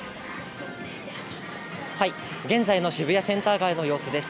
現在の渋谷センター街の様子です。